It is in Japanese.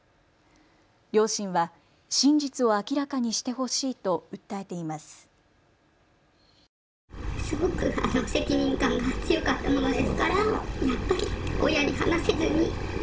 両親は真実を明らかにしてほしいと訴えています。